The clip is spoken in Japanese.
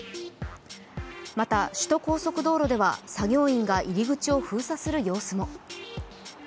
また首都高速道路では作業員が入り口を封鎖する様子も。